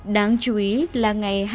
đáng chú ý là ngày